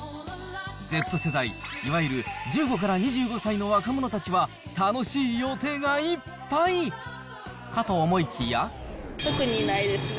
Ｚ世代、いわゆる１５から２５歳の若者たちは楽しい予定が特にないですね。